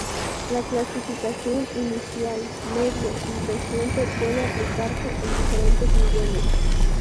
La clasificación "inicial", "medio" y "reciente" puede aplicarse en diferentes niveles.